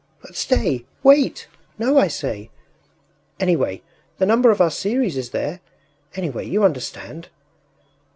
But stay... wait! No, I say! Anyway, the number of our series is there! Anyway, you understand....